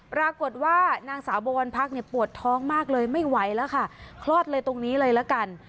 ปรากฏว่านางสาวบวรพักษ์ปวดท้องมากเลยไม่ไหวแล้วค่ะคลอดเลยตรงนี้เลยละกัน